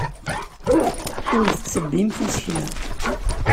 Ur tettebbimt isekla.